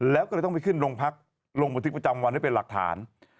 แล้วก็เลยต้องไปขึ้นโรงพักลงบันทึกประจำวันไว้เป็นหลักฐาน